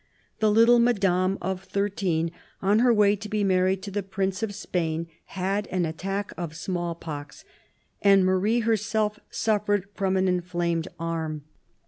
The little Madame of thirteen, on her way to be married to the Prince of Spain, had an attack of small pox, and Marie herself suffered from an inflarried arm.